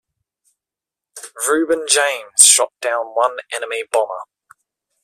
"Reuben James" shot down one enemy bomber.